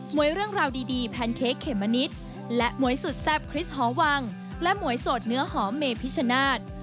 วยเรื่องราวดีแพนเค้กเขมมะนิดและหมวยสุดแซ่บคริสตหอวังและหมวยสดเนื้อหอมเมพิชนาธิ์